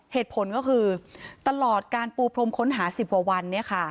เหตุผลก็คือตลอดการปูพรมค้นหา๑๐กว่าวัน